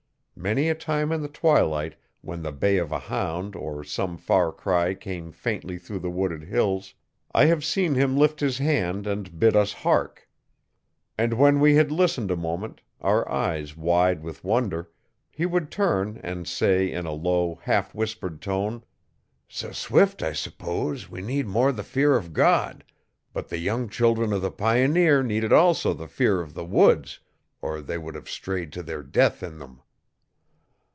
Many a time in the twilight when the bay of a hound or some far cry came faintly through the wooded hills, I have seen him lift his hand and bid us hark. And when we had listened a moment, our eyes wide with wonder, he would turn and say in a low, half whispered tone: ''S a swift' I suppose we needed more the fear of God, but the young children of the pioneer needed also the fear of the woods or they would have strayed to their death in them.